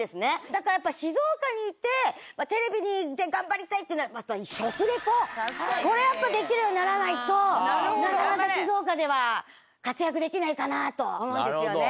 だからやっぱ静岡にいて、テレビで頑張りたいというなら、やっぱり食リポ、これをやっぱできるようにならないと、なかなか静岡では活躍できないかなとは思うんですよね。